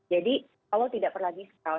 jadi itu adalah hal yang harus anda lakukan